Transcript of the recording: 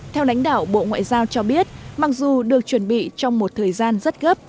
theo lãnh đạo bộ ngoại giao cho biết mặc dù được chuẩn bị trong một thời gian rất gấp